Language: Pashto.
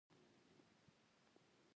ټینګه رابطه لري.